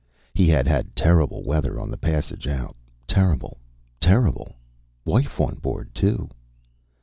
He had had terrible weather on the passage out terrible terrible wife aboard, too.